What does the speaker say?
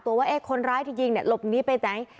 ตัวว่าเอ๊ะคนร้ายที่ยิงเนี่ยหลบนี้ไปไหน